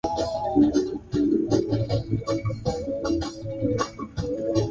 ee ni ni lazima aa aachilie ngazi